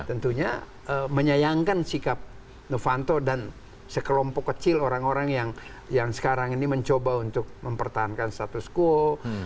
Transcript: tentunya menyayangkan sikap novanto dan sekelompok kecil orang orang yang sekarang ini mencoba untuk mempertahankan status quo